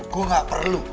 gue gak perlu